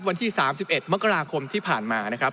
วันที่๓๑มกราคมที่ผ่านมานะครับ